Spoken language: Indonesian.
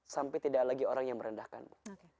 sampai tidak lagi orang yang merendahkanmu